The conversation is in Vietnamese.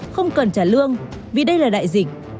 không cần trả lương vì đây là đại dịch